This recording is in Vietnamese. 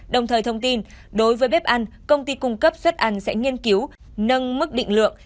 đồng thời thông tin đối với bếp ăn công ty cung cấp suất ăn sẽ nghiên cứu nâng mức định lượng